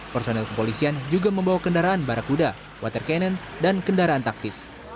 personil kepolisian juga membawa kendaraan barakuda water cannon dan kendaraan taktis